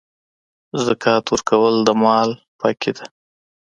زکات ورکول د مال پاکي ده.